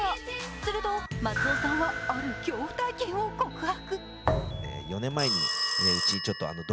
すると松尾さんはある恐怖体験を告白。